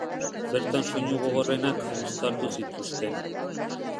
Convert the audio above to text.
Bertan soinu gogorrenak uztartu zituzten.